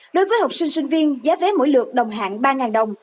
đối với học sinh sinh viên giá vé mỗi lượt đồng hạn ba đồng